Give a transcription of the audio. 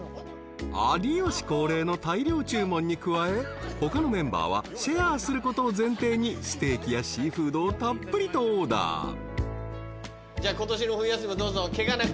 ［有吉恒例の大量注文に加え他のメンバーはシェアすることを前提にステーキやシーフードをたっぷりとオーダー］じゃあ今年の『冬休み』もどうぞケガなくやってください。